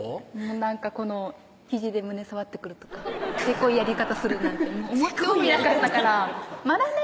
なんかこのひじで胸触ってくるとかせこいやり方するなんて思ってもみなかったからまだね